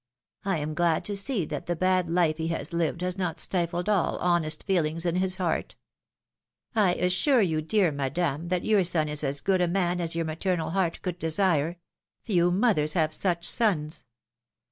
I am glad to see that the bad life he has lived has not stifled all honest feelings in his heart.^^ I assure you, dear Madame, that your son is as good a man as your maternal heart could desire; few mothers have such sons.